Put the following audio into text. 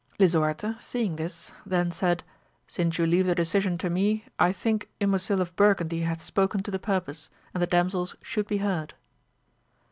Lisuarte seeing this then said. Since you leave the decision to me, I think Ymosil of Burgundy hath spoken to the purpose, and the damsels should be heard.